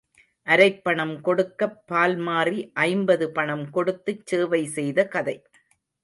அரைப் பணம் கொடுககப் பால்மாறி ஐம்பது பணம் கொடுத்துச் சேவை செய்த கதை.